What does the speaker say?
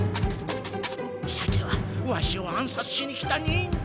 さてはワシを暗さつしに来た忍者？